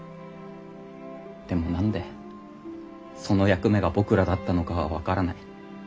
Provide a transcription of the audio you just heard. でも何でその役目が僕らだったのかは分からない。